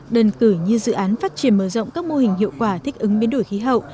đơn cử như dự án phát triển mở rộng các mô hình hiệu quả thích ứng biến đổi khí hậu